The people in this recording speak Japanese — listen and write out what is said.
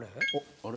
あれ？